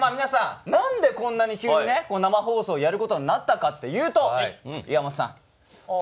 何でこんなに急に生放送をやることになったかというと、岩本さん。